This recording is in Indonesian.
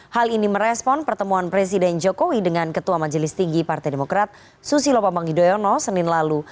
hal ini merespon pertemuan presiden jokowi dengan ketua majelis tinggi partai demokrat susilo bambang yudhoyono senin lalu